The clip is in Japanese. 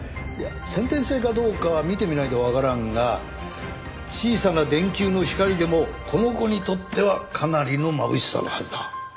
先天性かどうかは診てみないとわからんが小さな電球の光でもこの子にとってはかなりのまぶしさのはずだ。